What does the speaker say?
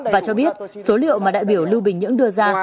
và cho biết số liệu mà đại biểu lưu bình nhưỡng đưa ra